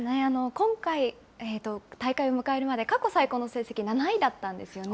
今回大会を迎えるまで、過去最高の成績、７位だったんですよね。